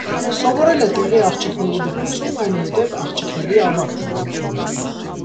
Սովորել է տեղի աղջիկների դպրոցում, այնուհետև՝ աղջիկների ավագ դպրոցում։